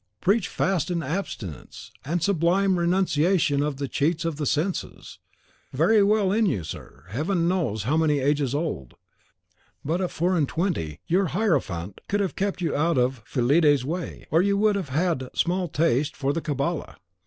Preach fast, and abstinence, and sublime renunciation of the cheats of the senses! Very well in you, sir, Heaven knows how many ages old; but at four and twenty, your Hierophant would have kept you out of Fillide's way, or you would have had small taste for the Cabala.